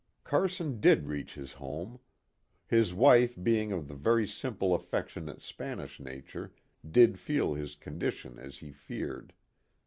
Carson did reach his home. His wife being of the very simple affectionate Spanish nature did feel his condition as he feared.